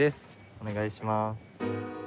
お願いします。